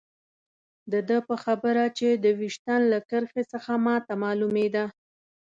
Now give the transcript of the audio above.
د ده په خبره چې د ویشتن له کرښې څخه ما ته معلومېده.